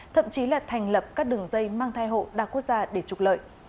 thậm chí là thành lập các đường dây mang thai hộ đa quốc gia để trục lợi